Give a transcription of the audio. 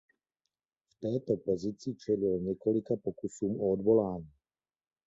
V této pozici čelil několika pokusům o odvolání.